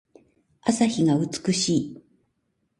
朝日が美しい。